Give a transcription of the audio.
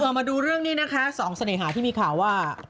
มาดูเรื่องนี้นะคะสองเสน่หาที่มีข่าวว่า